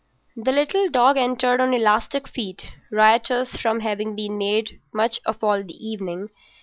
The little dog entered on elastic feet, riotous from having been made much of all the evening.